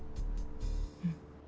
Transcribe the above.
うん。